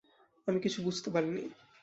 আমি কিছু বুঝতে পারি নি।